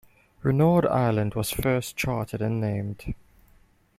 Renaud Island was first charted and named.